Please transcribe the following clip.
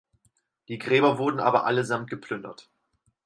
Die Gräber wurden aber allesamt geplündert.